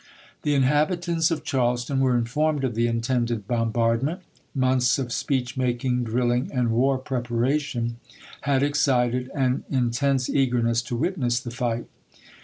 The inhabitants of Charleston were informed of the intended bombardment; months of speech VOL. IV.— 4 50 ABRAHAM LINCOLN Chap. III. making, drilling, and war preparation had excited an intense eagerness to witness the fight.